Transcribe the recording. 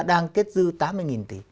đang kết dư tám mươi tỷ